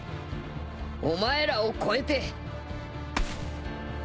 お前らを超えて。